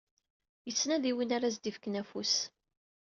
Yettnadi win ara s-d-ifken afus